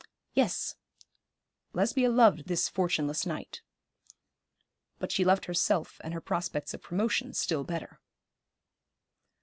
Yes, Lesbia loved this fortuneless knight; but she loved herself and her prospects of promotion still better.